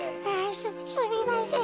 すすみません。